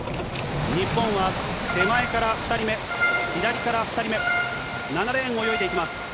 日本は手前から２人目、左から２人目、７レーンを泳いでいきます。